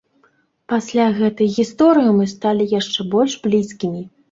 Пасля гэтай гісторыі мы сталі яшчэ больш блізкімі.